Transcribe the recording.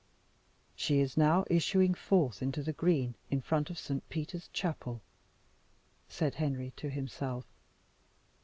"She is now issuing forth into the green in front of Saint Peter's Chapel," said Henry to himself.